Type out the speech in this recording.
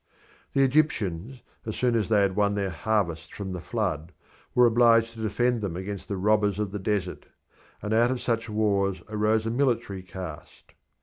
The Egyptians, as soon as they had won their harvests from the flood, were obliged to defend them against the robbers of the desert, and out of such wars arose a military caste.